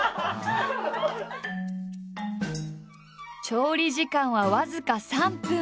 調理時間は僅か３分。